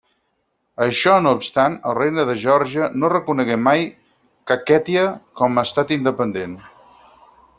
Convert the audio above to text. Això no obstant, el Regne de Geòrgia no reconegué mai Kakhètia com a estat independent.